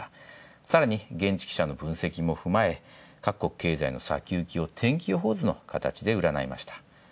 さらに現地記者の分析も踏まえ、各国の天気予報図の形で占いました。